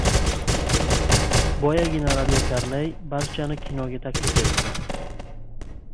Boyagina radiokarnay barchani kinoga taklif etdi.